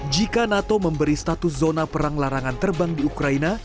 jika nato memberi status zona perang larangan terbang di ukraina